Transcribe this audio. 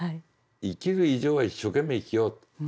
生きる以上は一生懸命生きようと。